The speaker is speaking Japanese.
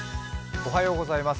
おはようございます。